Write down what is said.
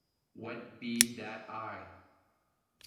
Wet be that eye.